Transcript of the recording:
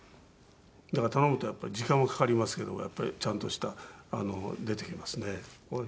だから頼むとやっぱり時間はかかりますけどやっぱりちゃんとした出てきますね。